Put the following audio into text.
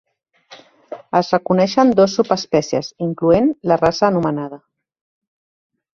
Es reconeixen dos subespècies, incloent la raça anomenada.